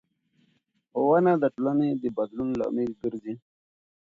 ښوونه د ټولنې د بدلون لامل ګرځي